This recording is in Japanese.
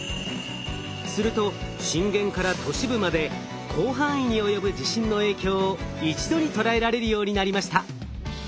すると震源から都市部まで広範囲に及ぶ地震の影響を一度に捉えられるようになりました。